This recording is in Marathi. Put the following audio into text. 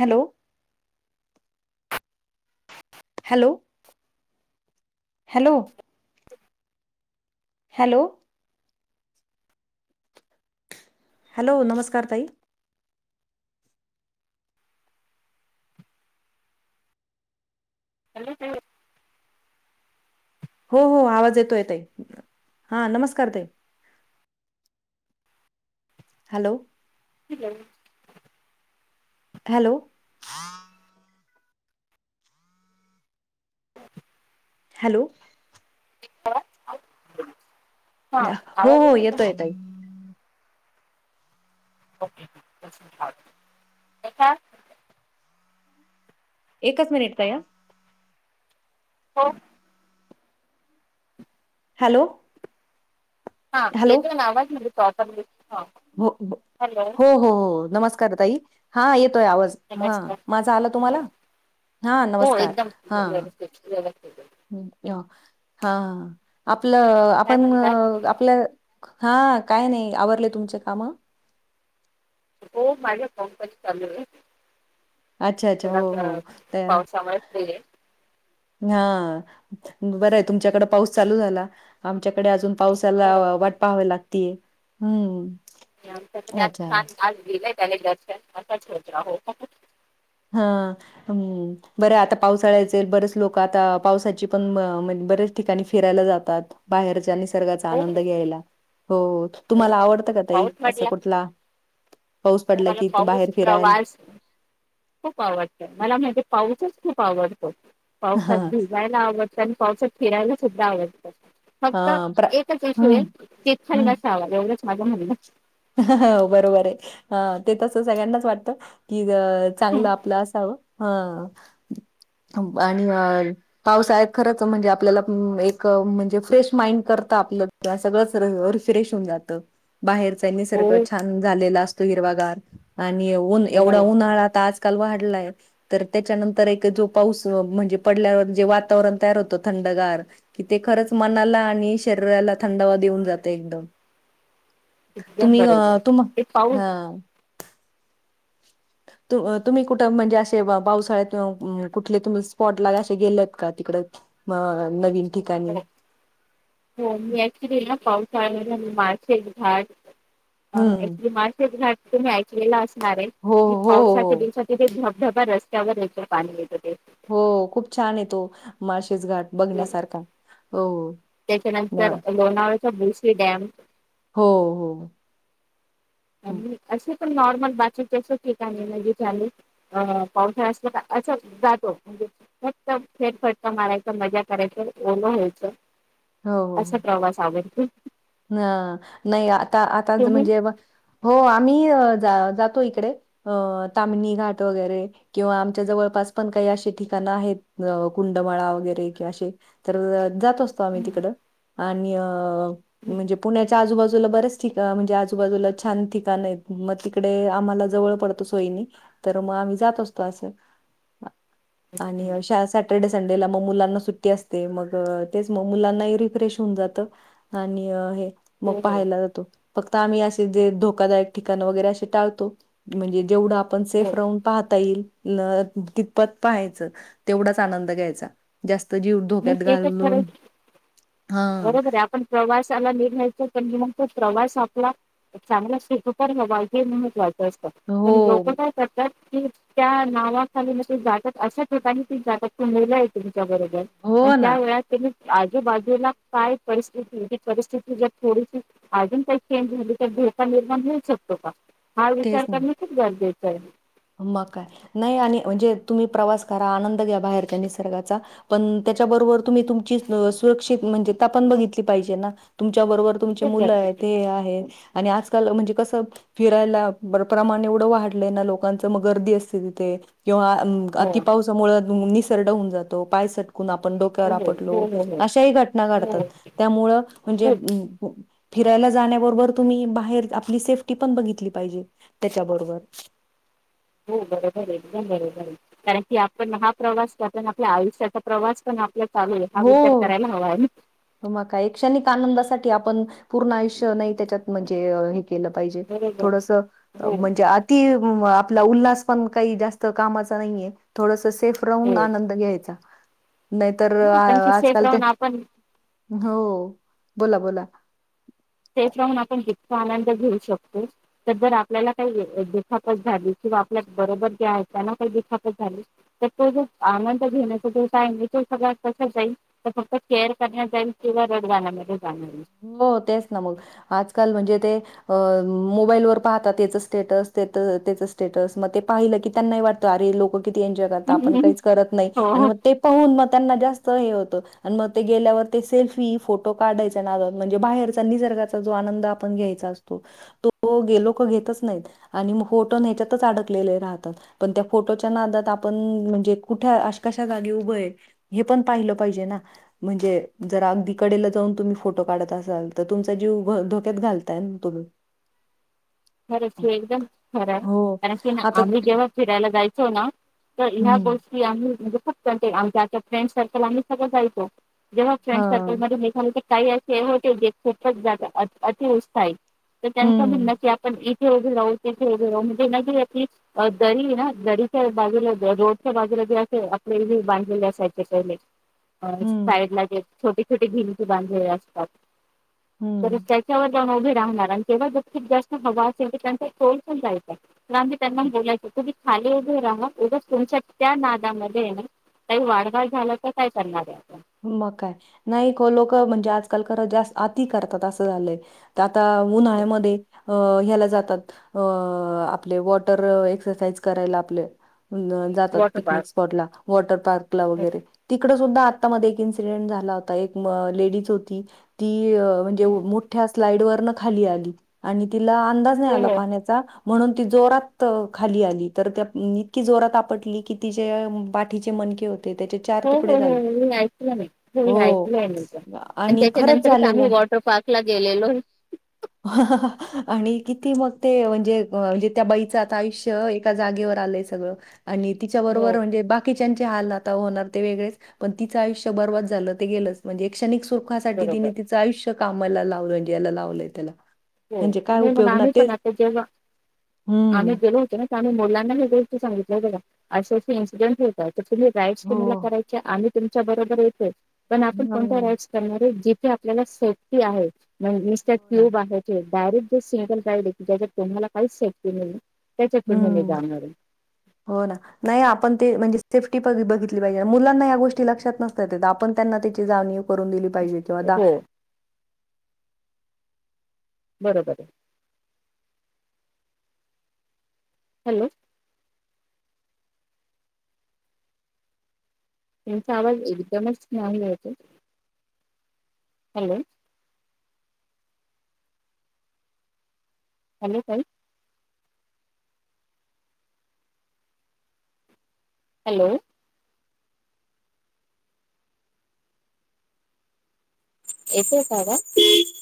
Hello hello hello hello hello नमस्कार ताई एल दे हो हो आवाज येतो येत हा नमस्कार तेई हॅलो ह हॅलो हॅलो द हो आवाज हो येतोय येतो येतय [inaudible] एकच मिनिट ताई हं हो हॅलो हा हॅलो येेतो ना आवाज [unintelligible] हो हो हॅलो हो हो नमस्कार ताई हा ये येतंय आवाज हं नमस्कार माझ आला तुम्हाला हा हो नमस्कार एकदम हा व्यवस्थित व्यवस्थित हा आपलं काय आपण म्हणतात आपल्या हा काय नाही आवरले तुमचे काम हो मजे फोन पनं चालू हेत अच्छा अच्छा हो हो त्या ना पावसामुळे फ्री आहे हा बरंय तुमच्याकडे पाऊस चालू झाला आमच्याकडे अजून हो पावसाला वाट पाहावी लागतीय [unintelligible] [inaudible] हा बरं आता पावसाळा्यायचे बरेच लोक आता पावसाची पण बर्याच ठिकाणी फिरायला जातात बाहेरच्या निसर्गाचा हो आनंद घ्यायला हो तुम्हाला आवडत का ताई पाऊस असं म्हटला कुठला पाऊस पडला मला की पाऊस बाहेर फिरायला. प्रवास खूप आवडतं मला माहिजे पावसच खूप आवडतो हा पावसात भिजायला आवडतं आणि पावसात फिरायला सुद्धा आवडत फक्त हा प्र एकच हम्म [unintelligible] हम्म. माझ [unintelligible] हो बरोबर आहे ते तस सगळ्यांनाच वाटतं की चांगलं आपलं असावं हं आणि अ पावसाळ खरच म्हणजे आपल्याला एक म्हणजे फ्रेश माइंड कर [unintelligible] त्यांनी हो सारखं छान झालेला असत हिरवागार आणि येऊन हो एवढा उन्हाळा तर वाढलाय तर त्याच्यानंतर जो पाऊस म्हणजे पडल्यावर जे वातावरण तयार होतं थंड थंडार कि ते खरंच मनाला आणि शरीराला थंडावा देऊन जात एकदम एकदम तुम्ही अ बरोबर तुम ते पाऊस हा तू तूम्ही कुठं म्हणजे असे पावसाळ्यात कुठले तुम स्पॉट ला असे गेलेत का तिकड अ नवीन ठिकाणी हो हो मी एकक्चुली ना पावसाळ्यामध्ये ना माळशेत घाट हम्म. क्चुली माळशेत घाट तुम्ही ऐकलेला असणार आहे हो की हो पावसाच्या हो दिवस बा रस्त्यावर या पाणी येत ते हो खूप छान हे तो माळशेस घाट हो. बघण्यासारखा हो ना. त्याच्यानंतर लोणावल्या चा भुशी डॅम हो हो हो हो. आणि असं नॉर्मल बाकी जसं ठिकाणी म्हणजे ले अ पावसाल्यात असच असं जातो फक्त फेरफटका मारायचा मजा करायची ओल व्हायचं असा प्रवास आवडतो ह नाही आता आता तुम्ही म्हणजे हो आम्ही जातो इकडे अ तामणी घाट वगैरे किंवा आमच्या जवळपास अशी काही पण ठिकाण आहेत कुंडमाळा वगैरे किवा कि आशे जातो. तो आम्ही हम्म. तिकड आणि म्हणजे पुण्याच्या आजूबाजू बाजूला बरेच ठिका म्हणजे आजूबाजूला छान ठिकाण आहेत मग तिकडे आम्हाला जवळ पडतो सोईनी तर मग आम्ही जात असतो असं आणि शाळासाठी सॅटर्डे संडेला मग मुलांना सुट्टी असते मग तेच मग मुलांना रिफ्रेश होऊन जात आणि हे मग हो हो पाहायला जातो फक्त आम्ही असे जे धोकादायक ठिकाण वगैरे असे टाळतो म्हणजे जेवढं आपण हो सेफ राहून पाहता येईल ल कितपत पाहायचं तेवढाच आनंद घ्यायचा जास्त जीव मग धोक्यात ते तर खरंच घालून हा बरोबर हाय आपण प्रवास [unintelligible] तो प्रवास आपला चांगला सुखोपर हवा हे महत्वाच पण हो लोक काय करतात. की त्या नावाखाली नुसती जातक अशा ठिकाणी ती जातक त मुलं येतील. [unintelligible] आणि हो त्या ना वेळेला तिने आजूबाजूला काय परिस्थिती जी परिस्थिती जर थोडीशी अजून काही चेंज झाली तर धोका निर्माण होऊ शक का हा तेच विचार ना करण खूप गरजेचं हाय. मग काय नाही आणि म्हणजे तुम्ही प्रवास करा आनंद घ्या बाहेरच्या निसर्गाचा पण ते त्याबरोबर तुम्ही तुमची सुरक्षित म्हणजे आपण बघितली पाहिजे ना तुमची त्याचा बरोबर तुमचे खूप मुलं आहे गरजेचं ते आहेत. आणि आजकाल म्हणजे कसं फिरायला प्रमाण एवढं वाढलंय ना लोक लोकां मग गर्दी असते तिथे किंवा हो अति पावसामुळे निसर्ड होऊन जातो पाय स आपण डोक्यावर हो हो आपडलो हो हो अशाही घटना हो घडतात त्यामुळं म्हणजे हो फिरायला जाण्याबरोबर तुम्ही बाहेर आपली सेफ्टी पण बघितली पाहिजे त्याच्याबरोबर. हो बरोबर एकदम बरोबर कारण की आपण हा प्रवास करताना आपल्या आयुष्याचा प्रवास पण आपण चालू हा विचार करायला हवा आहे. म काय एक कषणिक आनंदासाठी आपण पूर्ण आयुष्य नाही त्याच्यात म्हणजे केलं पाहिजे बरोबर थोडस हो. म्हणजे आती आपला उल्हास पण काही जास्त कामाचा नाहीये थोडस सेफ राहून हो आनंद घ्यायचा. नाही तर कारण की सेफ आजकाल ते राहून आपण हो बोला बोला. सेफ राहून आपण जितक आनंद घेऊ शकतो तर जर आपल्याला काही दुखापत झाली जे आपल्या बरोबर जे आहेत त्यांना जर दुखापत झाली तर ते जो आनंद घेण्या सगळ कस जाईल तर फक्त केअर करण्यात जाईल किंवा रड गाण्या मध्ये हो तेच आजकाल म्हणजे ते मोबाईल व पाहता त्याचे स्टेटस त्याचं स्टेटस. मह ते पाहिलं की त्यांना ही वाटत अरे लोक किती एन्जॉय करता आपण आहे. काहीच करत नाही आणि हो मग ते पाहून त्यांना जास्त हे होत मग ते गेल्यावर ते सेल्फी फोटो काढायच म्हणजे बाहेरचा निसर्गाचा जो आनंद आपण घ्यायचा असतो तोे लोक घेतच नाहीत. आणि फोटो न याच्यातच अडकलेले राहतात पण त्या फोटोच्या नादात आपण म्हणजे कुठ कशा जागी उभ हाय हे पण पाहिलं पाहिजे ना म्हणजे जर अगदी कडेला जाऊन तुम्ही फोटो काढत असाल तर तुमचा जीव धोक्यात घालताय तुम्ही. खरंच एकदम खरं आहे हो कारण की आता आम्ही जेव्हा फिरायला जायचो ना तर ह्या हं. गोष्टी आम्ही म्हणजे फक्त आमच्या आच्या फ्रेंड सर्कल आम्ही सगळं जायचो. जेव्हा फ्रेंड सर्कल हां. मध्ये निघाल काही असे होते जे खूपच अतिउत्साहित तर त्यांच हं, म्हणण की आपण इथे उभे राहू तिथे उभे राहू म्हणजे नदी दरी ना दरीच्या बाजूला रोडच्या बा मध्ये मध्ये जे अस आप बांधलेले असायचे पहिले. अ हं, साईडला जे छोटी छोटी भिंती बांधलेले असतात. तरी हं. त्याच्यावर जाऊन उभे राहणार आणि तेव्हा खूप जास्त हवं असेल तर त्यांचा तोल पण जायचा आम्ही त्यांना बलायचो तु् खाली उभे राहा उगच तमच्या त्या नादामध्ये आहे ना काही वाढ घाल झालं तर काय करणारे. मग काय नाही लोक म्हणजे आजकाल खरं तर आती करतात असं झालंय तर आता उन्हाळ्यामध्ये अ ह्याला जातात आपले वॉटर एक्सरसाइज करायला आपले जातात वॉटर पिकनिक पार्क स्पॉटला वॉटर पार्क वगैरे तिकडे सुद्धा आता मध्ये इसिडेंट झाला होता एक लेडीज होती ती म्हणजे मोठ्या साईड वर अन् खाली आली आणि तिला अंदाज नाही हो आला हो पाण्याचा म्हणून ती जोरात खाली आली तर त्या इतकी जोरात आपटली की तिचे बाठीचे मनके होते ते त्याचे चार हो तुकडे हो झाले. हो मी ऐकलं नाही हो ऐकलंय आणि त्याच्या खरंच नंतरच झालेलं आम्ही वॉटर पार्क ला गेलेलो आहे. ह. आणि किती मग ते म्हणजे म्हणजे त्या बाईचं आता आयुष्य एका जागेवर आलंय सगळं. आणि हो तिच्याबरोबर म्हणजे बाकीच्यांचे हाल आता होणार ते वेगळेच पण तिं आयुष्य बर्वाद झालं ते गेलंच म्हणजे कषणिक सुखासाठी बरोबर तिने तिं आयुष कामाला लावलं म्हजे याला लावलंय त्याला हो म्हणजे काय नाही मग उपयोग आम्हीच ना तेच आता जेव्हा आम्ही हम्म गेलो होतो ना. मुलांना हे गोष्टी सांगितल्या ब का असे असे इन्सिडेंटस होतात. तम्ही राड हो तुमला कराय आम्ही तुमच्या बरोबर येतोय पण आपण कोण्या हम्म राड करणार. आपल्याला सेफ्टी आहे म्हणत हो ना क्यूब आहे. ते डायरेक्ट जे सिंगल जाय की त्याच्यात तुम्हाला काहीच सेफी नाही. त्याच्यात तुम्ही नाही हम्म जाणार आहे हो ना नाही आपण ते म्हणजे सेफ्टी बघितली पाहिजे मुलांना या गोष्टी लक्षात नसतात ते आपण त्यांना त्याची जानिव ून दिली पाहिजे त हो बरोबर आहे. हॅलो. त्यांचा आवाज एकदमच नाही होत. हॅलो. हॅलो काय? हॅलो. येतेय का का आवज?